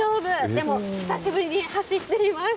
でも、久しぶりに走っています。